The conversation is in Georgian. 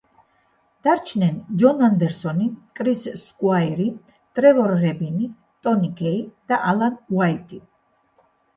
დარჩნენ: ჯონ ანდერსონი, კრის სკუაირი, ტრევორ რებინი, ტონი კეი და ალან უაიტი.